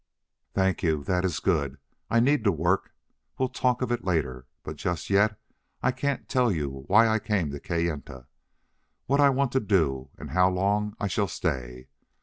"Thank you. That is good. I need to work. We'll talk of it later. ... But just yet I can't tell you why I came to Kayenta, what I want to do, how long I shall stay.